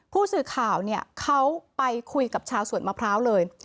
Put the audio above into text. ผู้สื่อข่าวเนี่ยเขาไปคุยกับชาวสวนมะพร้าวเลย